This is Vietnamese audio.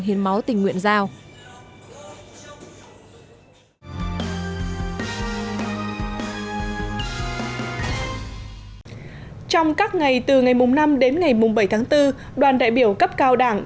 hiến máu tình nguyện giao trong các ngày từ ngày năm đến ngày bảy tháng bốn đoàn đại biểu cấp cao đảng